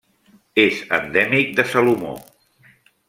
És endèmic de Salomó.